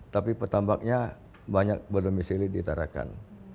tapi pertambaknya banyak berdermisili ditarakan